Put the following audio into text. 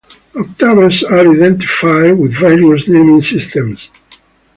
Octaves are identified with various naming systems.